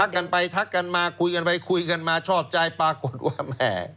กันไปทักกันมาคุยกันไปคุยกันมาชอบใจปรากฏว่าแม่